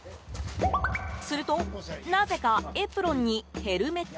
すると、なぜかエプロンにヘルメット